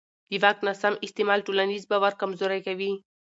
د واک ناسم استعمال ټولنیز باور کمزوری کوي